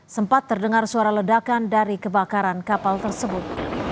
sempat terdengar suara ledakan dari kebakaran kapal tersebut